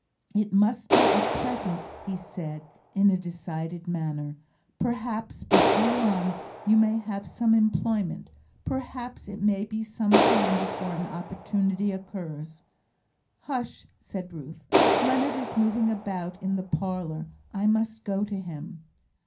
"It must be at present," he said, in a decided manner. "Perhaps before long you may have some employment; perhaps it may be some time before an opportunity occurs." "Hush," said Ruth; "Leonard is moving about in the parlour. I must go to him."